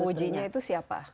nah pengujinya itu siapa